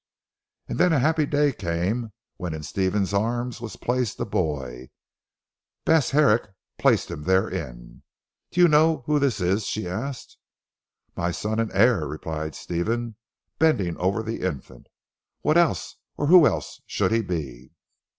And then a happy day came when in Stephen's arms was placed a boy. Bess Herrick placed him therein. "Do you know who this is?" she asked. "My son and heir," replied Stephen, bending over the infant, "what else, or who else should he be?"